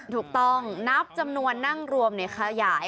ถูกต้องนับจำนวนนั่งรวมขยาย